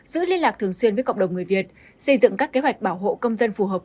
giữ liên lạc thường xuyên với cộng đồng người việt xây dựng các kế hoạch bảo hộ công dân phù hợp